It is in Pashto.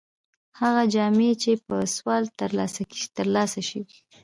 هغه جامه چې په سوال تر لاسه شي.